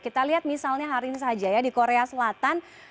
kita lihat misalnya hari ini saja ya di korea selatan